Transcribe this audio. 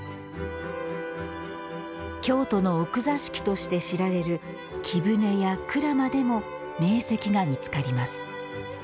京都の奥座敷として知られる貴船や鞍馬でも名石が見つかります。